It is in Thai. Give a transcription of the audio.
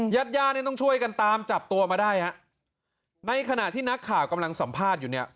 ญาติย่าเนี่ยต้องช่วยกันตามจับตัวมาได้ฮะในขณะที่นักข่าวกำลังสัมภาษณ์อยู่เนี่ย